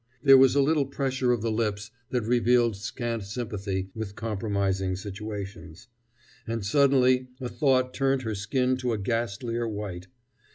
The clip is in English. There was a little pressure of the lips that revealed scant sympathy with compromising situations. And suddenly a thought turned her skin to a ghastlier white.